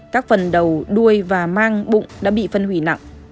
các phần đầu đuôi và mang bụng đã bị phân hủy nặng